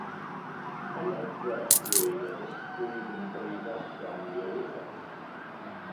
Yn hytrach fe'i addysgwyd yn breifat gan ei ewythr.